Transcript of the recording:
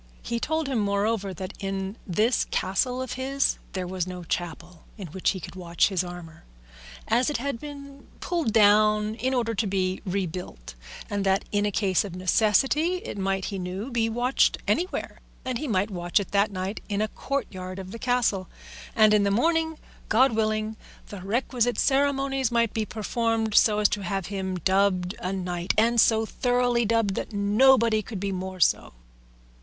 He told him, moreover, that in this castle of his there was no chapel in which he could watch his armour, as it had been pulled down in order to be rebuilt, but that in a case of necessity it might, he knew, be watched anywhere, and he might watch it that night in a courtyard of the castle, and in the morning, God willing, the requisite ceremonies might be performed so as to have him dubbed a knight, and so thoroughly dubbed that nobody could be more so.